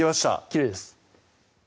きれいです